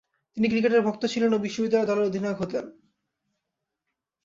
তিনি ক্রিকেটের ভক্ত ছিলেন ও বিশ্ববিদ্যালয় দলের অধিনায়ক হতেন।